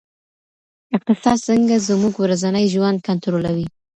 اقتصاد څنګه زموږ ورځنی ژوند کنټرولوي؟